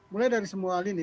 mulai dari semua lini